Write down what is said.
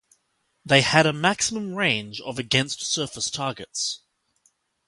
They had a maximum range of against surface targets.